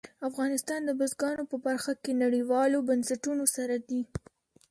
افغانستان د بزګانو په برخه کې نړیوالو بنسټونو سره دی.